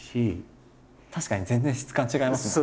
確かに全然質感違いますもんね。